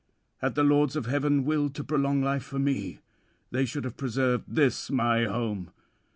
... Had the lords of heaven willed to prolong life for me, they should have preserved this my home.